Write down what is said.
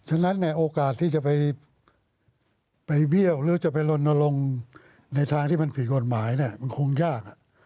ฉะนั้นเนี่ยโอกาสที่จะไปเบี้ยวหรือจะไปลนลงในทางที่มันผิดกฎหมายมันคงยาก